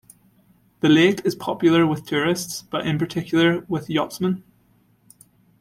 The lake is popular with tourists, but in particular with yachtsmen.